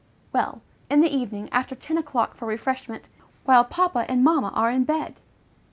Well, in the evening, after ten o'clock for refreshment, while papa and mamma are in bed!